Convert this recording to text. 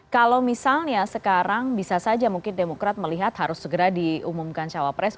kalau misalnya sekarang bisa saja mungkin demokrat melihat harus segera diumumkan cawapres